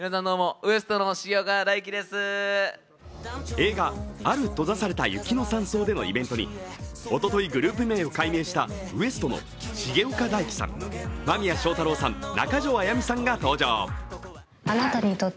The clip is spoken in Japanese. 映画「ある閉ざされた雪の山荘で」のイベントにおとといグループ名を改名したＷＥＳＴ．の重岡大毅さん間宮祥太朗さん、中条あやみさんが登場。